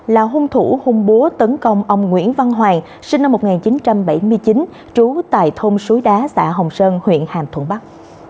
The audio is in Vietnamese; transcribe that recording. là hung thủ hung bố tấn công ông nguyễn văn hoàng sinh năm một nghìn chín trăm bảy mươi chín trú tại thôn suối đá xã hồng sơn huyện hàm thuận bắc